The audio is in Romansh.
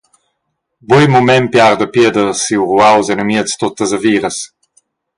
Buc in mument piarda Pieder siu ruaus enamiez tuttas aviras.